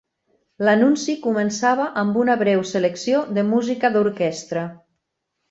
L'anunci començava amb una breu selecció de música d'orquestra.